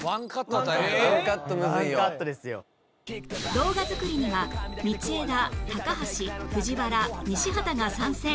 動画作りには道枝高橋藤原西畑が参戦